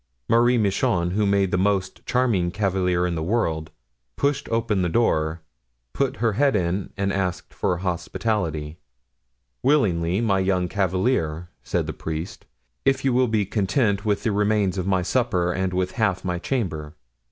Marie Michon, who made the most charming cavalier in the world, pushed open the door, put her head in and asked for hospitality. 'Willingly, my young cavalier,' said the priest, 'if you will be content with the remains of my supper and with half my chamber.